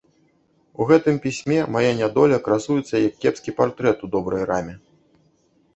У гэтым пісьме мая нядоля красуецца, як кепскі партрэт у добрай раме.